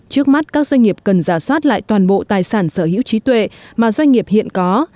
trước mắt các doanh nghiệp cần giả soát lại toàn bộ tài sản sở hữu trí tuệ mà doanh nghiệp hiện có